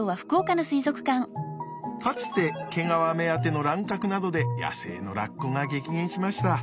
かつて毛皮目当ての乱獲などで野生のラッコが激減しました。